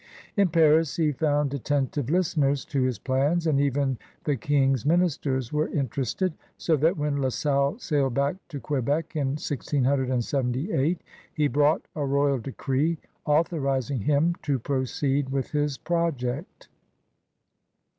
In Paris he found attentive listeners to his plans, and even the King's ministers were interested, so that when La Salle sailed back to Quebec in 1678 he brought a royal decree authorizing him to proceed with his project.